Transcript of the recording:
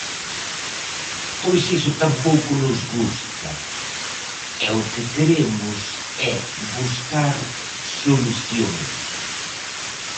Pois iso tampouco nos gusta, e o que queremos é buscar solucións.